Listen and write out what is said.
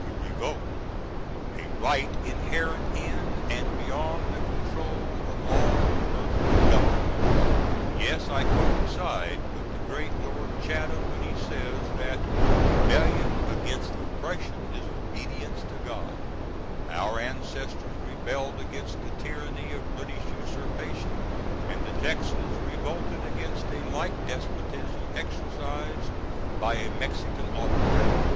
to revolt a right inherent in & beyond the control of all earthly govern^ts. Yes I coincide with the great Lord Chatham when he says that "Rebellion against oppression is obedience to God." Our Ancestors rebelled against the tyranny of British usurpation, & the Texans revolted against a like despotism exercised by a Mexican Autocrat.